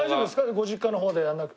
ご実家の方でやらなくて。